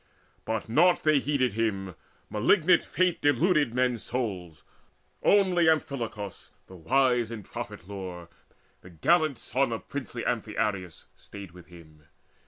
But naught they heeded him; malignant Fate Deluded men's souls: only Amphilochus The wise in prophet lore, the gallant son Of princely Amphiaraus, stayed with him.